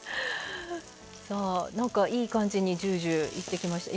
いい感じにジュージューいってきました。